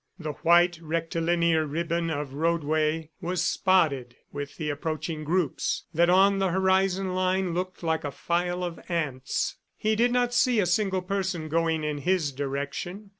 The white, rectilinear ribbon of roadway was spotted with approaching groups that on the horizon line looked like a file of ants. He did not see a single person going in his direction.